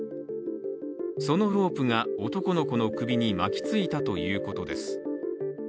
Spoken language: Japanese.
そのロープが男の子の首に巻き付いたということです。